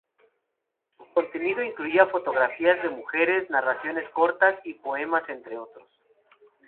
Su contenido incluía fotografías de mujeres, narraciones cortas y poemas, entre otros.